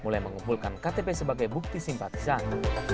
diperlukan ktp sebagai bukti simpatisan